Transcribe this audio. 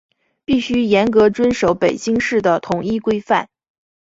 必须严格遵守北京市的统一规范